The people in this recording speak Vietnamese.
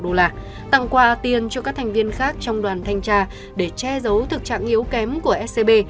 trương mỹ lan cũng đưa hối lộ cho các thành viên khác trong đoàn thanh tra để che giấu thực trạng yếu kém của scb